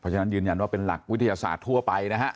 ฉะนั้นยืนยันว่าเป็นหลักวิทยาศาสตร์ทั่วไปนะฮะ